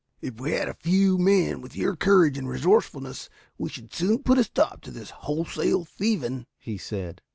"If we had a few men with your courage and resourcefulness we should soon put a stop to this wholesale thieving," he said.